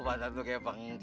masaknya kayak panggung